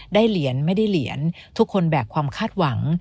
เหรียญไม่ได้เหรียญทุกคนแบกความคาดหวัง